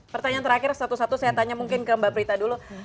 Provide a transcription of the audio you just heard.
pertanyaan terakhir satu satu saya tanya mungkin ke mbak prita dulu